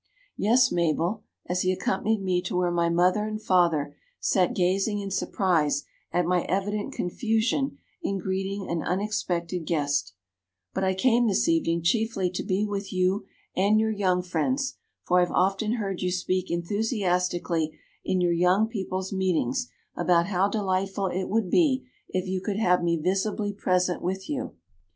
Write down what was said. "'Yes, Mabel,' as he accompanied me to where my mother and father sat gazing in surprise at my evident confusion in greeting an unexpected guest; 'but I came this evening chiefly to be with you and your young friends; for I have often heard you speak enthusiastically in your young people's meetings about how delightful it would be if you could have me visibly present with you.'